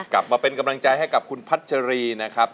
กลับมาเป็นกำลังใจให้กับคุณพัชรีนะครับ